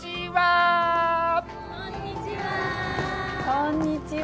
こんにちは。